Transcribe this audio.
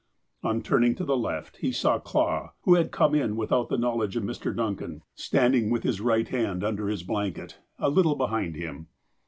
On turning to the left, he saw Clah, who had come in without the knowledge of Mr. Duncan, standing with his 134 THE APOSTLE OF ALASKA right hand under his blanket, a little behind him.